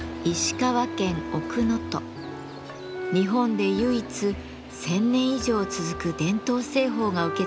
日本で唯一１，０００年以上続く伝統製法が受け継がれています。